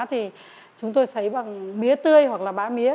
thì chúng tôi xấy bằng mía tươi hoặc là bá mía